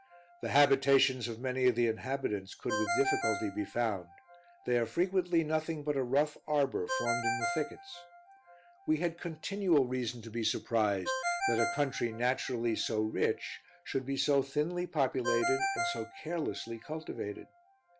The habitations of many of the inhabitants could with difficulty be found; they are frequently nothing but a rough arbor formed in the thickets. We had continual reason to be surprised, that a country naturally so rich should be so thinly populated and so carelessly cultivated.